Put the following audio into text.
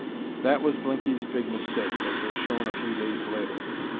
That was Blinky's big mistake, as was shown a few days later.